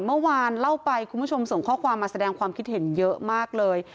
เมื่อวานเล่าไปคุณผู้ชมส่งข้อความมาแสดงความคิดเห็นเยอะมากเลย